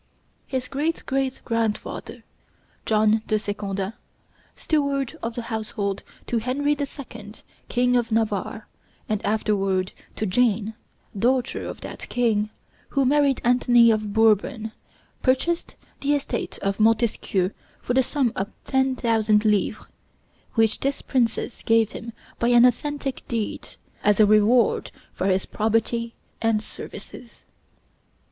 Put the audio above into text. His great great grandfather, John de Secondat, steward of the household to Henry the Second, King of Navarre, and afterward to Jane, daughter of that king, who married Antony of Bourbon, purchased the estate of Montesquieu for the sum of ten thousand livres, which this princess gave him by an authentic deed, as a reward for his probity and services.